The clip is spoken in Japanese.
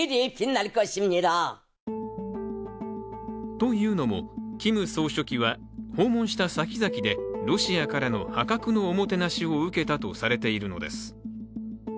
というのも、キム総書記は訪問した先々でロシアから破格のおもてなしを受けたとされているのです。